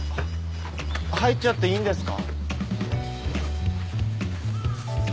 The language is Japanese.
入っちゃっていいんですか？